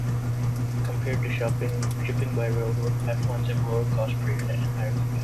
Compared to shipping by railroad, pipelines have lower cost per unit and higher capacity.